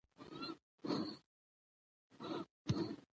مېلې د فرهنګي تبادلې یوه ژوندۍ بېلګه ده.